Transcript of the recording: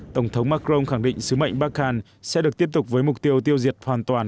tổng thống macron khẳng định sứ mệnh bachan sẽ được tiếp tục với mục tiêu tiêu diệt hoàn toàn